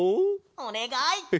おねがい！